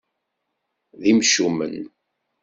D imcumen.